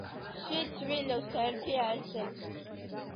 შვიდს მინუს ერთი არის ექვსი.